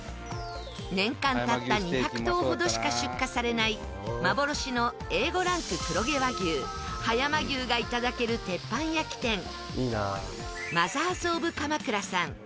年間たった２００頭ほどしか出荷されない幻のＡ５ランク黒毛和牛葉山牛がいただける鉄板焼き店ＭＯＴＨＥＲ’Ｓｏｆ鎌倉さん。